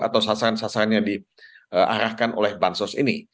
atau sasaran sasarannya diarahkan oleh bansos ini